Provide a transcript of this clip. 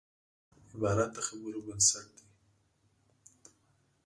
عبارت د خبرو بنسټ دئ.